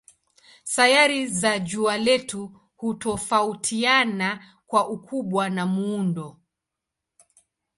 Sayari za jua letu hutofautiana kwa ukubwa na muundo.